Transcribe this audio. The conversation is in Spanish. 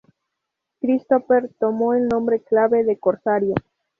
Christopher tomó el nombre clave de Corsario.